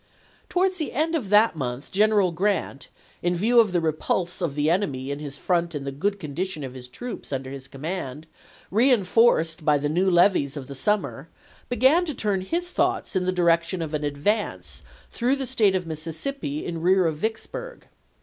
Towards the end of that month General Grant, oct„ 1862. in view of the repulse of the enemy in his front and the good condition of the troops under his command, reenforced by the new levies of the summer, began to turn his thoughts in the direction of an advance through the State of Mississippi in rear of Yicks burg.